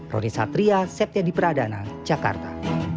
roni satria septya di pradana jakarta